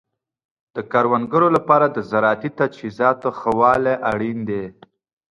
د کروندګرو لپاره د زراعتي تجهیزاتو ښه والی اړین دی.